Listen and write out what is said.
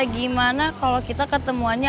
gimana kalau kita ketemuannya